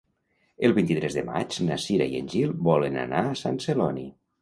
El vint-i-tres de maig na Cira i en Gil volen anar a Sant Celoni.